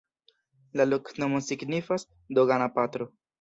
La loknomo signifas: dogana-patro.